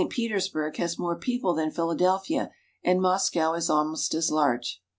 Petersburg has more people than Philadelphia, and Moscow is almost as large.